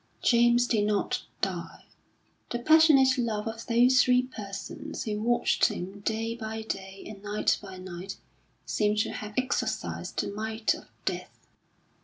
James did not die; the passionate love of those three persons who watched him day by day and night by night seemed to have exorcised the might of Death.